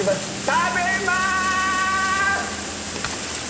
食べます！